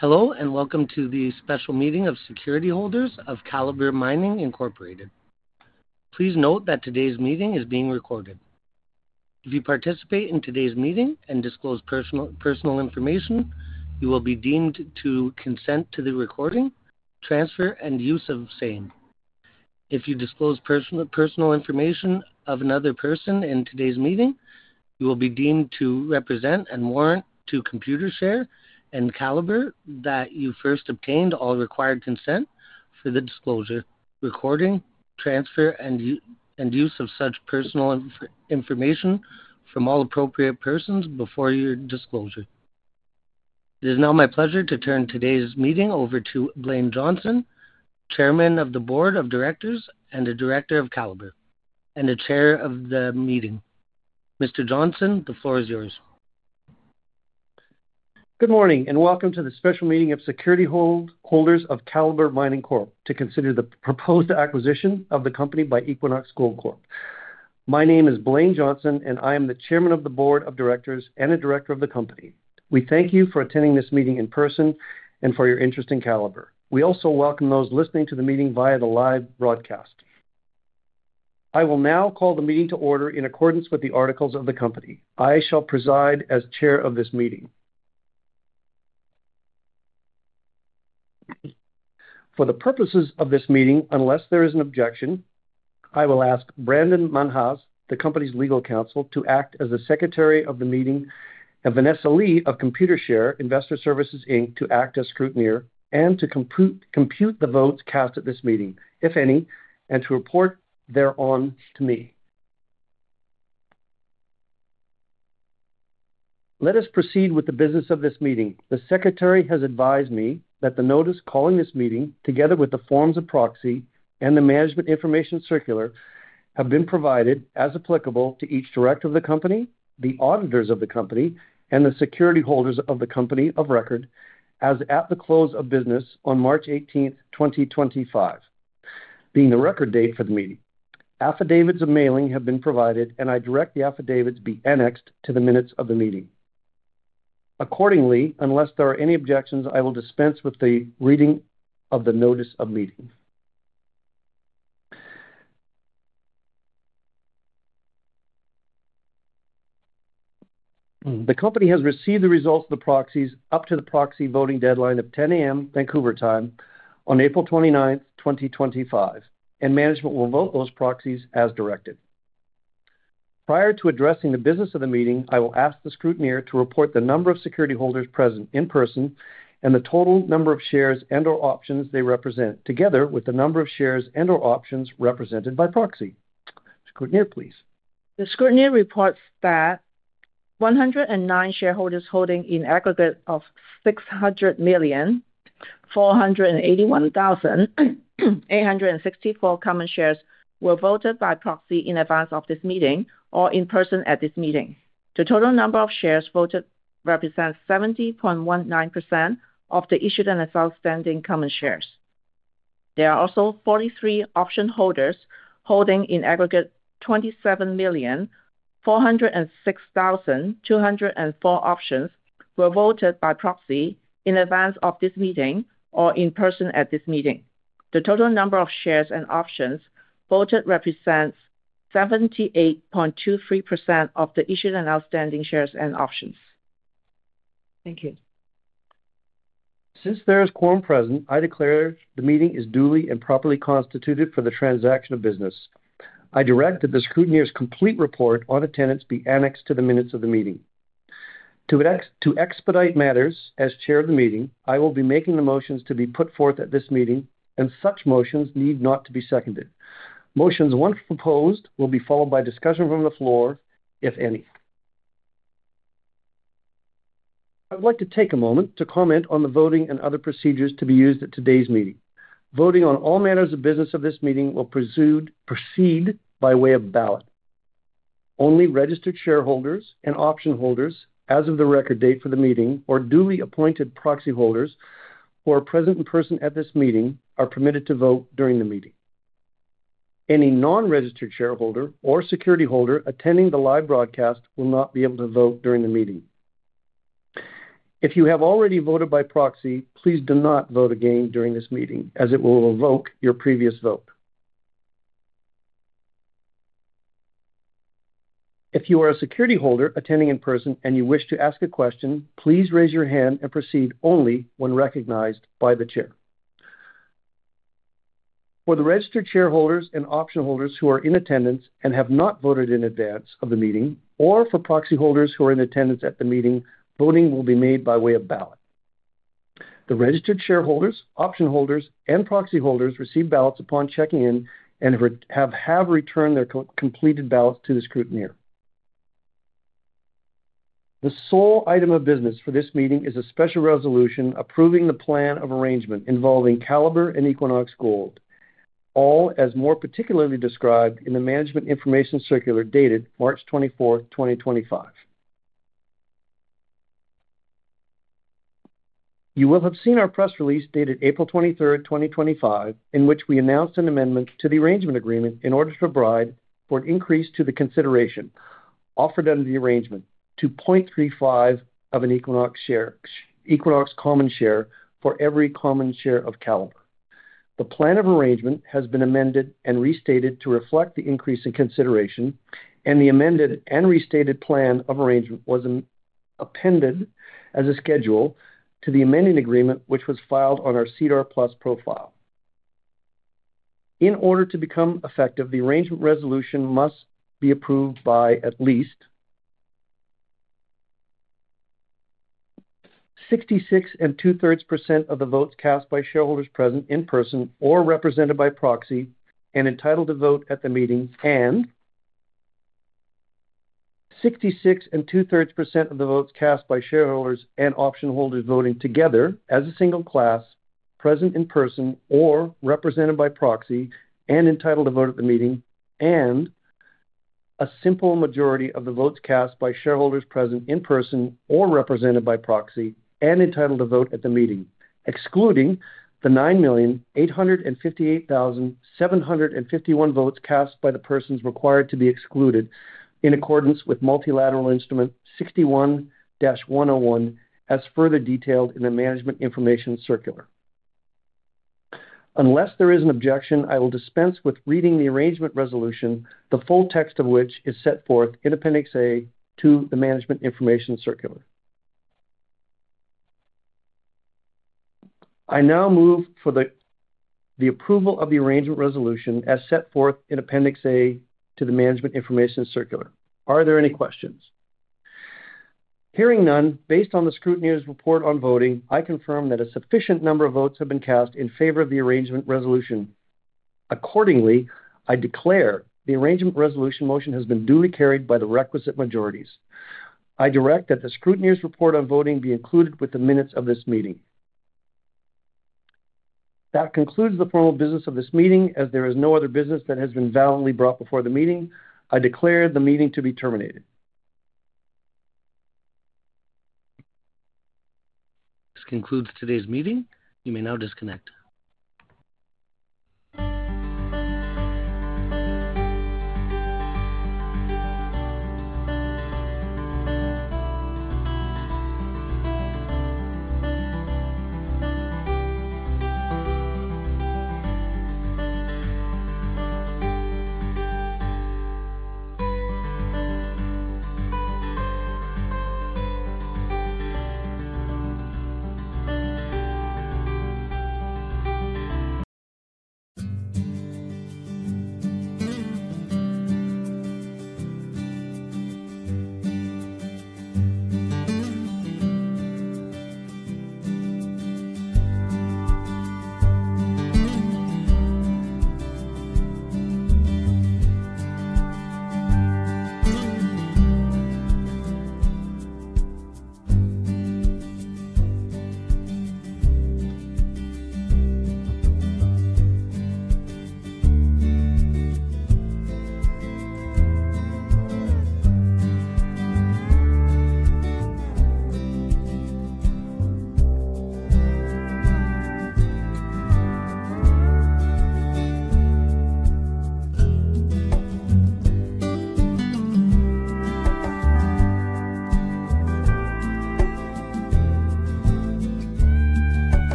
Hello, and welcome to the special meeting of security holders of Calibre Mining Incorporated. Please note that today's meeting is being recorded. If you participate in today's meeting and disclose personal information, you will be deemed to consent to the recording, transfer, and use of the same. If you disclose personal information of another person in today's meeting, you will be deemed to represent and warrant to Computershare and Calibre that you first obtained all required consent for the disclosure, recording, transfer, and use of such personal information from all appropriate persons before your disclosure. It is now my pleasure to turn today's meeting over to Blayne Johnson, Chairman of the Board of Directors and the Director of Calibre and the Chair of the meeting. Mr. Johnson, the floor is yours. Good morning, and welcome to the special meeting of security holders of Calibre Mining to consider the proposed acquisition of the company by Equinox Gold Corp. My name is Blayne Johnson, and I am the Chairman of the Board of Directors and the Director of the company. We thank you for attending this meeting in person and for your interest in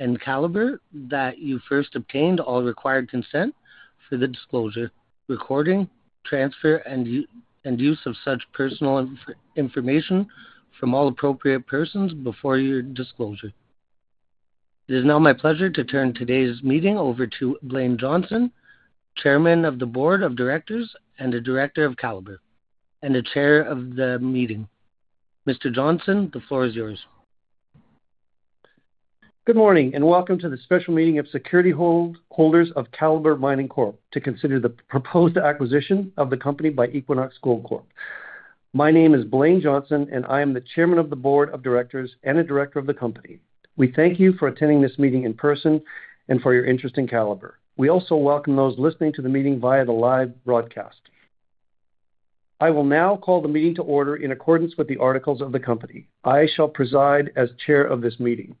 Calibre. We also welcome those listening to the meeting via the live broadcast. I will now call the meeting to order in accordance with the articles of the company. I shall preside as Chair of this meeting.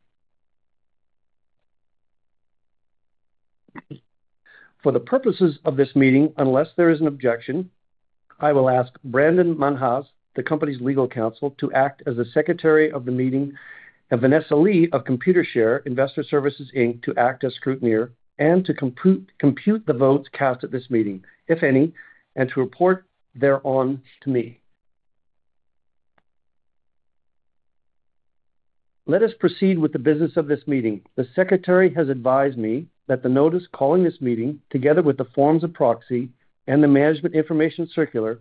For the purposes of this meeting, unless there is an objection, I will ask Brandon Manhas, the company's legal counsel, to act as the secretary of the meeting, and Vanessa Lee of Computershare Investor Services, Inc, to act as scrutineer and to compute the votes cast at this meeting, if any, and to report thereon to me. Let us proceed with the business of this meeting. The secretary has advised me that the notice calling this meeting, together with the forms of proxy and the management information circular,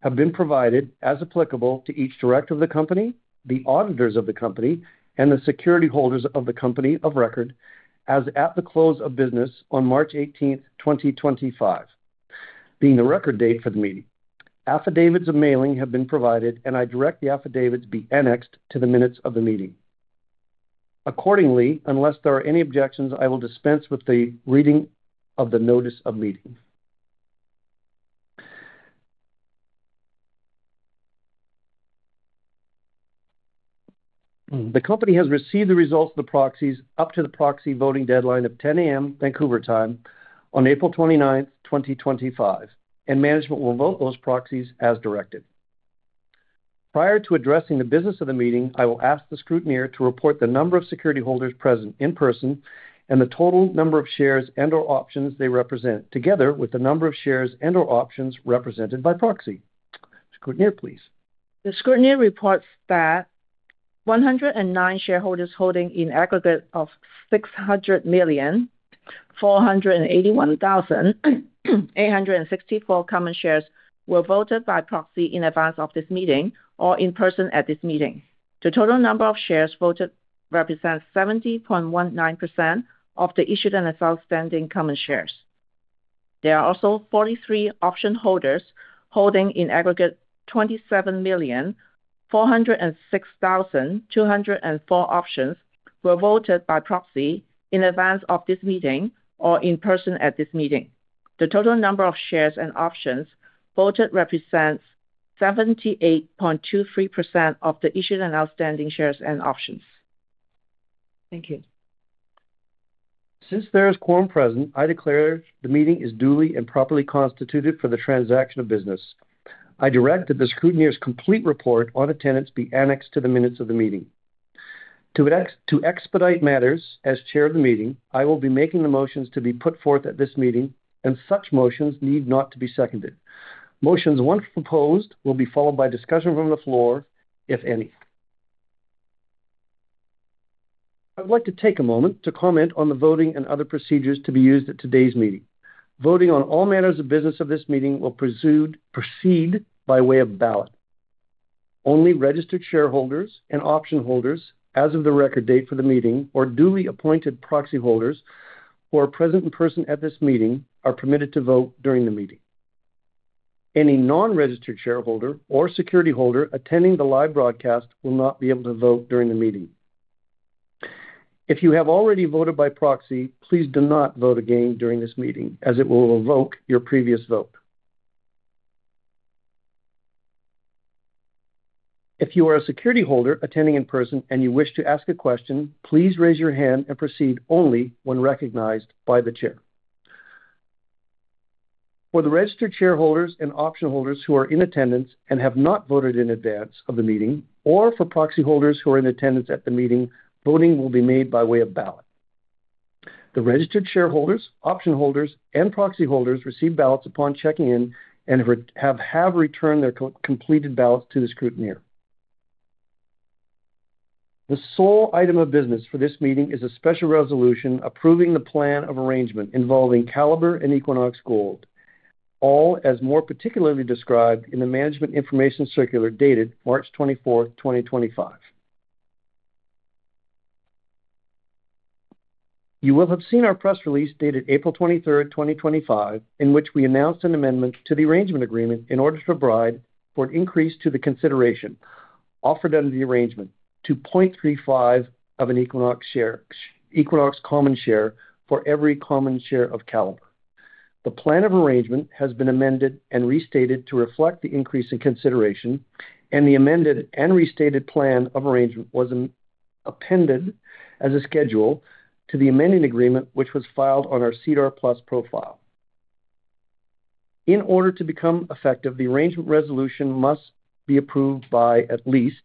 have been provided, as applicable, to each director of the company, the auditors of the company, and the security holders of the company of record as at the close of business on March 18th, 2025, being the record date for the meeting. Affidavits of mailing have been provided, and I direct the affidavits be annexed to the minutes of the meeting. Accordingly, unless there are any objections, I will dispense with the reading of the notice of meeting. The company has received the results of the proxies up to the proxy voting deadline of 10:00 A.M. Vancouver time on April 29th, 2025, and management will vote those proxies as directed. Prior to addressing the business of the meeting, I will ask the scrutineer to report the number of security holders present in person and the total number of shares and/or options they represent, together with the number of shares and/or options represented by proxy. Scrutineer, please. The scrutineer reports that 109 shareholders holding in aggregate 600,481,864 common shares were voted by proxy in advance of this meeting or in person at this meeting. The total number of shares voted represents 70.19% of the issued and outstanding common shares. There are also 43 option holders holding in aggregate 27,406,204 options who were voted by proxy in advance of this meeting or in person at this meeting. The total number of shares and options voted represents 78.23% of the issued and outstanding shares and options. Thank you. Since there is quorum present, I declare the meeting is duly and properly constituted for the transaction of business. I direct that the scrutineer's complete report on attendance be annexed to the minutes of the meeting. To expedite matters, as Chair of the meeting, I will be making the motions to be put forth at this meeting, and such motions need not be seconded. Motions once proposed will be followed by discussion from the floor, if any. I would like to take a moment to comment on the voting and other procedures to be used at today's meeting. Voting on all matters of business of this meeting will proceed by way of ballot. Only registered shareholders and option holders, as of the record date for the meeting, or duly appointed proxy holders who are present in person at this meeting are permitted to vote during the meeting. Any non-registered shareholder or security holder attending the live broadcast will not be able to vote during the meeting. If you have already voted by proxy, please do not vote again during this meeting, as it will revoke your previous vote. If you are a security holder attending in person and you wish to ask a question, please raise your hand and proceed only when recognized by the Chair. For the registered shareholders and option holders who are in attendance and have not voted in advance of the meeting, or for proxy holders who are in attendance at the meeting, voting will be made by way of ballot. The registered shareholders, option holders, and proxy holders receive ballots upon checking in and have returned their completed ballots to the scrutineer. The sole item of business for this meeting is a special resolution approving the plan of arrangement involving Calibre and Equinox Gold, all as more particularly described in the management information circular dated March 24, 2025. You will have seen our press release dated April 23, 2025, in which we announced an amendment to the arrangement agreement in order to provide for an increase to the consideration offered under the arrangement to 0.35 of an Equinox common share for every common share of Calibre. The plan of arrangement has been amended and restated to reflect the increase in consideration, and the amended and restated plan of arrangement was appended as a schedule to the amending agreement, which was filed on our SEDAR+ profile. In order to become effective, the arrangement resolution must be approved by at least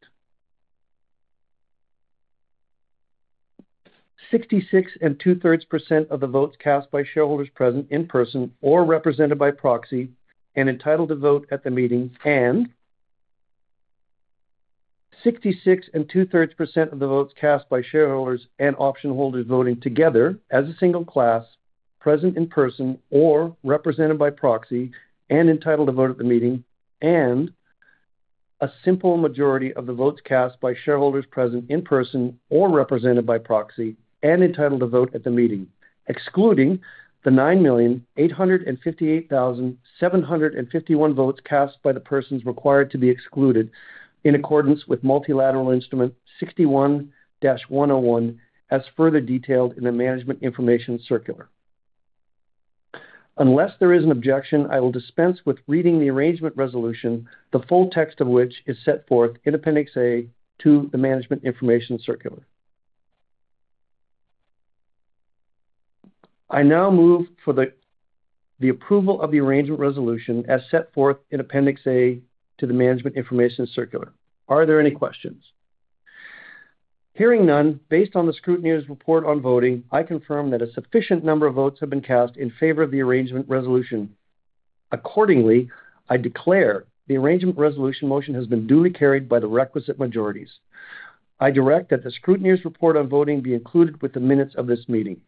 66 and 2/3% of the votes cast by shareholders present in person or represented by proxy and entitled to vote at the meeting, and 66 and 2/3% of the votes cast by shareholders and option holders voting together as a single class, present in person or represented by proxy and entitled to vote at the meeting, and a simple majority of the votes cast by shareholders present in person or represented by proxy and entitled to vote at the meeting, excluding the 9,858,751 votes cast by the persons required to be excluded in accordance with Multilateral Instrument 61-101, as further detailed in the management information circular. Unless there is an objection, I will dispense with reading the arrangement resolution, the full text of which is set forth in Appendix A to the management information circular. I now move for the approval of the arrangement resolution as set forth in Appendix A to the management information circular. Are there any questions? Hearing none, based on the scrutineer's report on voting, I confirm that a sufficient number of votes have been cast in favor of the arrangement resolution. Accordingly, I declare the arrangement resolution motion has been duly carried by the requisite majorities. I direct that the scrutineer's report on voting be included with the minutes of this meeting.